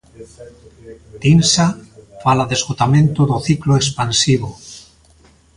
Tinsa fala de esgotamento do ciclo expansivo.